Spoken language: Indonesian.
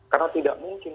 karena tidak mungkin